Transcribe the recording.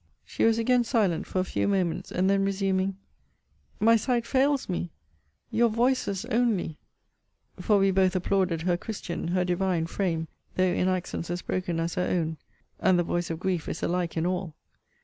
She was again silent for a few moments: and then resuming My sight fails me! Your voices only [for we both applauded her christian, her divine frame, though in accents as broken as her own]; and the voice of grief is alike in all.